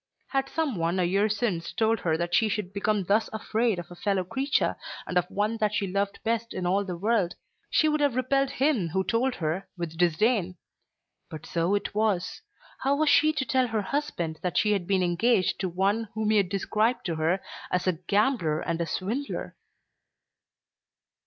Had some one a year since told her that she should become thus afraid of a fellow creature and of one that she loved best in all the world, she would have repelled him who had told her with disdain. But so it was. How was she to tell her husband that she had been engaged to one whom he had described to her as a gambler and a swindler?